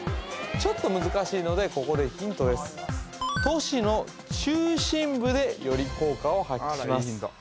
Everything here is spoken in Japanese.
ちょっと難しいのでここでヒントです都市の中心部でより効果を発揮します